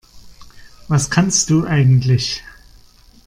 Was kannst du eigentlich?